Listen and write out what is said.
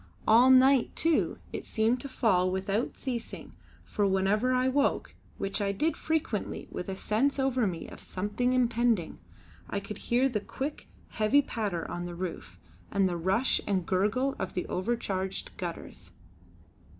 All night, too, it seemed to fall without ceasing, for whenever I woke which I did frequently with a sense over me of something impending I could hear the quick, heavy patter on the roof, and the rush and gurgle of the overcharged gutters.